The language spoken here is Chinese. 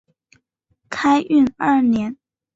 开运二年。